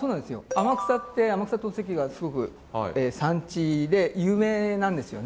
天草って天草陶石がすごく産地で有名なんですよね。